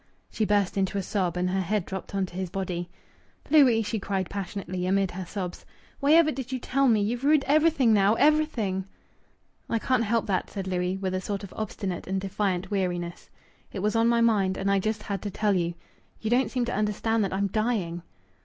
She burst into a sob, and her head dropped on to his body. "Louis!" she cried passionately, amid her sobs. "Why ever did you tell me? You've ruined everything now. Everything!" "I can't help that," said Louis, with a sort of obstinate and defiant weariness. "It was on my mind, and I just had to tell you. You don't seem to understand that I'm dying."